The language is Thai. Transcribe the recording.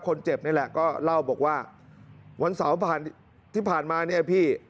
คนเจ็บนี่แหละก็เล่าบอกว่าวันเสาร์ที่ผ่านมาเนี่ยพี่